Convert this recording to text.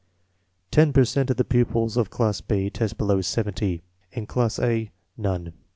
Ten per cent of the pupils of class B test below 70; in class A, none.